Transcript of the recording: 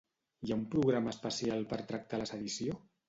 Hi ha un programa especial per tractar la sedició?